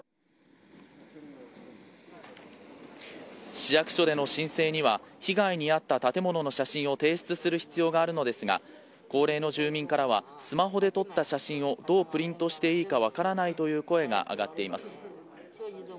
市役所での申請には被害に遭った建物の写真を提出する必要があるのですが高齢の住民からはスマホで撮った写真をどうプリントしていいか分からないという声が上がっています。